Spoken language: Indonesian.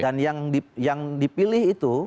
dan yang dipilih itu